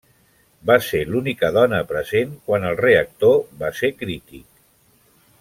Va ser l'única dona present quan el reactor va ser crític.